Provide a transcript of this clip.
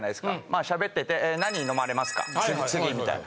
まあ喋ってて「何飲まれますか？次」みたいな。